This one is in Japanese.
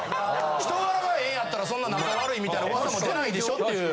人柄がええんやったらそんな仲悪いみたいな噂も出ないでしょっていう。